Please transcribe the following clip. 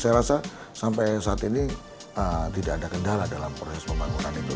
saya rasa sampai saat ini tidak ada kendala dalam proses pembangunan itu